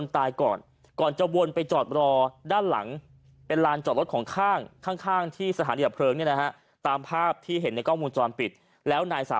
แต่ก่อนนั้นไปคุยอะไรกันเอามากแต่ก่อนนั้นไปคุยอะไรกันอะ